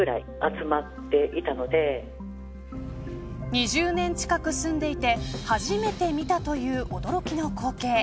２０年近く住んでいて初めて見たという驚きの光景。